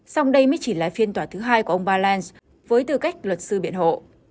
xong đây mới chỉ là phiên tòa thứ hai của ông blant với tư cách luật sư biện hộ